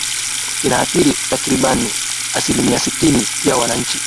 Inaathiri takribani asilimia sitini ya Wananchi